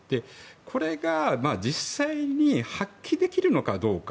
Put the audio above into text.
これが実際に発揮できるのかどうか。